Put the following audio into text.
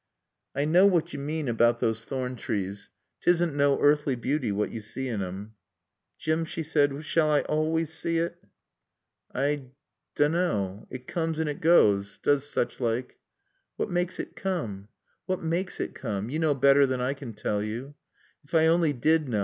"I knaw what yo mane about those thorn trees. 'Tisn' no earthly beauty what yo see in 'em." "Jim," she said, "shall I always see it?" "I dawn knaw. It cooms and it goas, doos sech like." "What makes it come?" "What maakes it coom? Yo knaw better than I can tall yo." "If I only did know.